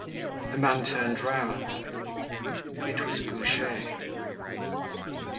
The man turned round. It was Goujet.